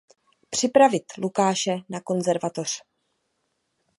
Připravit Lukáše na konzervatoř.